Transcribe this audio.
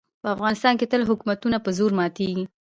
په افغانستان کې تل حکومتونه په زور ماتېږي.